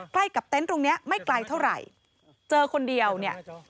ใกล้กับเต็นต์ตรงเนี้ยไม่ไกลเท่าไหร่เจอคนเดียวเนี่ย